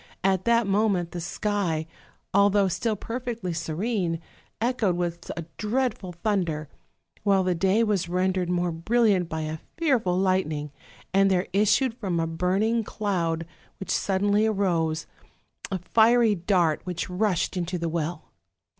at that moment the sky, although still perfectly serene, echoed with a dreadful thunder; while the day was rendered more brilliant by a fearful lightning, and there issued from a burning cloud, which suddenly arose, a fiery dart which rushed into the well.